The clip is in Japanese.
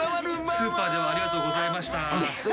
スーパーではありがとうございました。